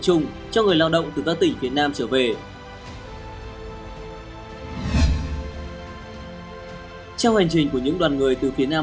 chung cho người lao động từ các tỉnh phía nam trở về theo hành trình của những đoàn người từ phía nam